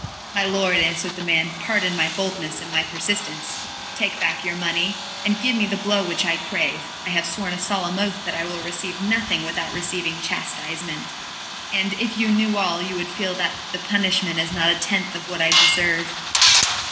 "My lord," answered the man, "pardon my boldness and my persistence. Take back your money, or give me the blow which I crave. I have sworn a solemn oath that I will receive nothing without receiving chastisement, and if you knew all, you would feel that the punishment is not a tenth part of what I deserve."